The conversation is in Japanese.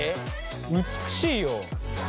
美しいよ。